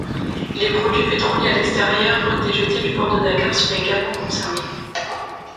Les produits pétroliers à l'extérieur des jetées du Port de Dakar seraient également concernés.